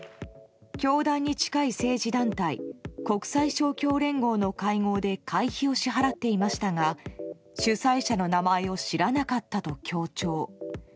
教団に近い政治団体国際勝共連合の会合で会費を支払っていましたが主催者の名前を知らなかったと強調。